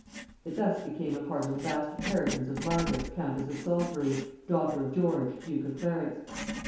It thus became a part of the vast inheritance of Margaret countess of Salisbury, daughter of George duke of Clarence.